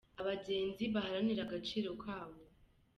Abagenzi baharanire agaciro kabo